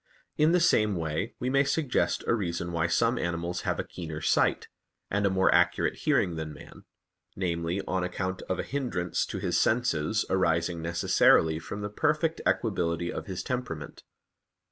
In the same way, we may suggest a reason why some animals have a keener sight, and a more acute hearing than man; namely, on account of a hindrance to his senses arising necessarily from the perfect equability of his temperament.